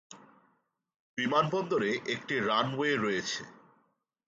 বিমানবন্দরে একটি রানওয়ে রয়েছে।